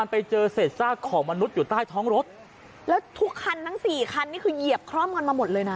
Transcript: ไปเจอเศษซากของมนุษย์อยู่ใต้ท้องรถแล้วทุกคันทั้งสี่คันนี่คือเหยียบคล่อมกันมาหมดเลยนะ